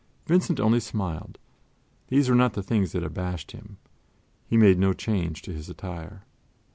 Vincent only smiled these were not the things that abashed him; he made no change in his attire.